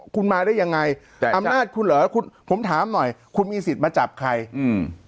คุณมาได้ยังไงแต่อำนาจคุณเหรอคุณผมถามหน่อยคุณมีสิทธิ์มาจับใครอืม